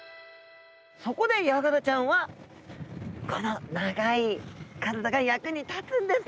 そこでヤガラちゃんはこの長い体が役に立つんですね。